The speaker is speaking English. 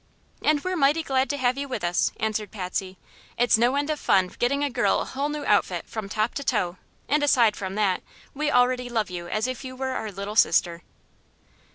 "And we're mighty glad to have you with us," answered Patsy. "It's no end of fun getting a girl a whole new outfit, from top to toe; and, aside from that, we already love you as if you were our little sister."